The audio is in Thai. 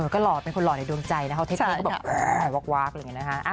ก็หล่อเป็นคนหล่อในดวงใจนะเขาเท็กก็แบบวากแบบนี้นะคะ